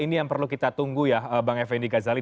ini yang perlu kita tunggu ya bang effendi ghazali